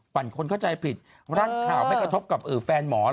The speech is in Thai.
คนเข้าใจผิดร่างข่าวไม่กระทบกับแฟนหมอ